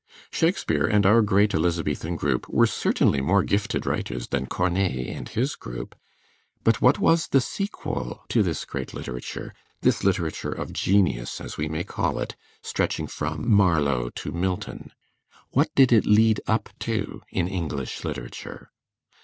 Shakespeare and our great Elizabethan group were certainly more gifted writers than Corneille and his group; but what was the sequel to this great literature, this literature of genius, as we may call it, stretching from Marlowe to Milton? What did it lead up to in English literature?